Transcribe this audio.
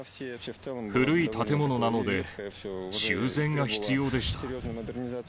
古い建物なので、修繕が必要でした。